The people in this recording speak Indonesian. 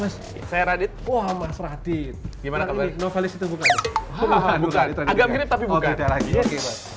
saya radit wah mas radit gimana kembali novelis itu bukan agak mirip tapi bukan